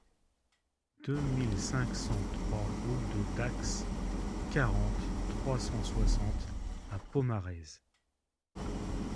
deux mille cinq cent trois route de Dax, quarante, trois cent soixante à Pomarez